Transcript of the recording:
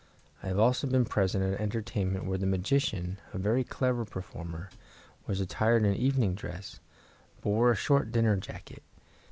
I have also been present at an entertainment where the magician, a very clever performer, was attired in evening dress, but wore a short dinner jacket.